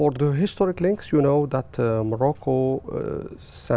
nhưng khi chiến binh đã nhận ra